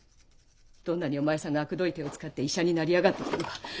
どんなにお前さんがあくどい手を使って医者に成り上がってきた事か。